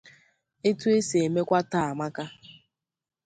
etu e si emekwa taa amaka.